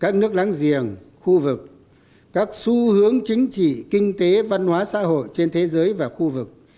các nước láng giềng khu vực các xu hướng chính trị kinh tế văn hóa xã hội trên thế giới và khu vực